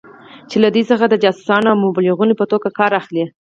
چې له دوی څخه د جاسوسانو او مبلغینو په توګه کار اخلي.